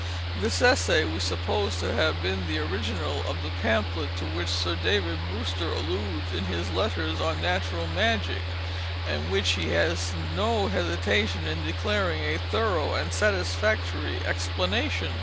This Essay we suppose to have been the original of the _pamphlet to _which Sir David Brewster alludes in his letters on Natural Magic, and which he has no hesitation in declaring a thorough and satisfactory explanation.